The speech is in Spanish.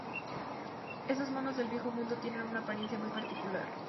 Estos monos del Viejo Mundo tienen una apariencia muy particular.